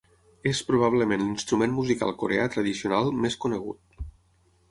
És probablement l'instrument musical coreà tradicional més conegut.